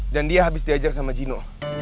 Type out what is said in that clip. dan dia habis diajar sama cino